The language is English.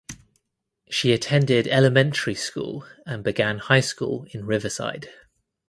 She attended elementary school and began high school in Riverside.